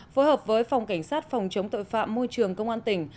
phối hợp với phòng cảnh sát phòng chống tội phạm môi trường công an tỉnh